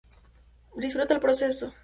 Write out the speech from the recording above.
Disfruta el proceso.